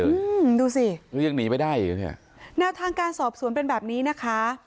อืมดูสิยังหนีไปได้เลยเนี่ยทางการสอบสวนเป็นแบบนี้นะคะ